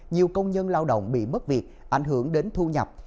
nhiều công nhân lao động bị mất việc ảnh hưởng đến thu nhập